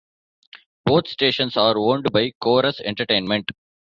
Both stations are owned by Corus Entertainment.